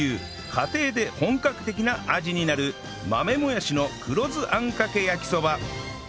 家庭で本格的な味になる豆もやしの黒酢あんかけ焼きそば